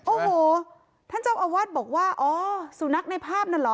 โอ้โหท่านเจ้าอาวาสบอกว่าอ๋อสุนัขในภาพนั่นเหรอ